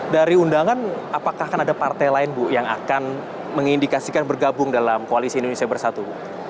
dari undangan apakah akan ada partai lain bu yang akan mengindikasikan bergabung dalam koalisi indonesia bersatu